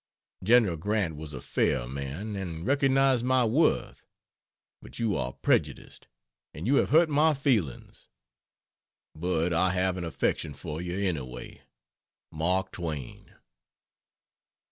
General Grant was a fair man, and recognized my worth; but you are prejudiced, and you have hurt my feelings. But I have an affection for you, anyway. MARK TWAIN.